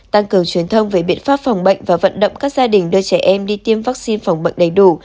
tăng cường truyền thông về biện pháp phòng bệnh và vận động các gia đình đưa trẻ em đi tiêm vaccine phòng bệnh đầy đủ